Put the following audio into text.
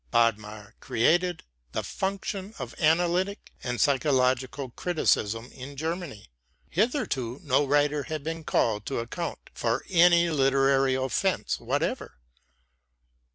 Bodmer created the function of analytic and psychological criticism in Germany. Hitherto no writer had been called to account for any literary offense whatever.